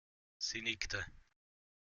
Sie nickte.